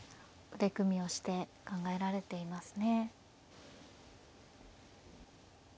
腕組みをして考えられていますね。